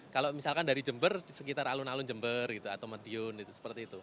kalau misalkan dari jember di sekitar alun alun jember gitu atau madiun seperti itu